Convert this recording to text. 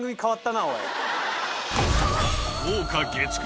豪華月９